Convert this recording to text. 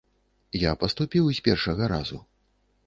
Я паступіў з першага разу.